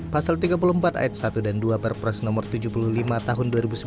pasal tiga puluh empat ayat satu dan dua perpres nomor tujuh puluh lima tahun dua ribu sembilan belas